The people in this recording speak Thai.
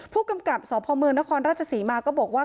ผู้กำกับสพเมืองนครราชศรีมาก็บอกว่า